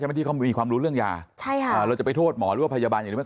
ที่เขามีความรู้เรื่องยาใช่ค่ะอ่าเราจะไปโทษหมอหรือว่าพยาบาลอย่างนี้ไหม